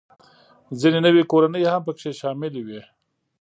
ځینې نوې کورنۍ هم پکې شاملې وې